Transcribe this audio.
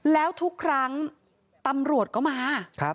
แล้วทุกครั้งตำรวจก็มา